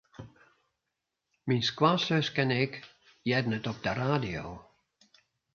Myn skoansuske en ik hearden it op de radio.